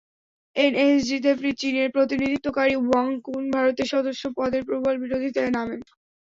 এনএসজিতে চীনের প্রতিনিধিত্বকারী ওয়াং কুন ভারতের সদস্য পদের প্রবল বিরোধিতায় নামেন।